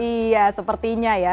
iya sepertinya ya